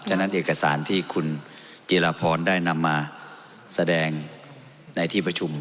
ฉะนั้นเอกสารที่คุณจิรพรได้นำมาแสดงในที่ประชุม